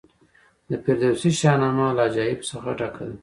د فردوسي شاهنامه له عجایبو څخه ډکه ده.